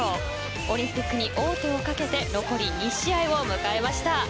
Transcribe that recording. オリンピックに王手をかけて残り２試合を迎えました。